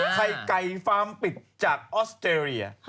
ไข่ไก่ฟาร์มปิดจากออสเตรเลีย